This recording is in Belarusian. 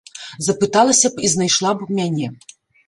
Запыталася б і знайшла б мяне.